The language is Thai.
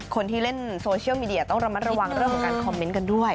คนที่เล่นโซเชียลมีเดียต้องระมัดระวังเรื่องของการคอมเมนต์กันด้วย